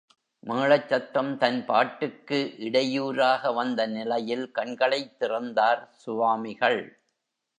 மேளச் சத்தம் தன் பாட்டுக்கு இடையூராக வந்த நிலையில் கண்களைத் திறந்தார் சுவாமிகள்.